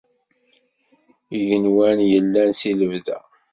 Igenwan yellan si lebda.